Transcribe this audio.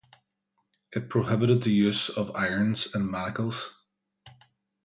It prohibited the use of irons and manacles.